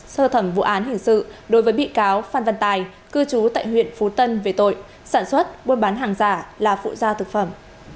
sơ thẩm vụ án hình sự đối với bị cáo phan văn tài cư trú tại huyện phú tân về tội sản xuất buôn bán hàng giả là phụ gia thực phẩm